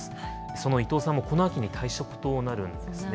その伊藤さんもこの秋に退職となるんですね。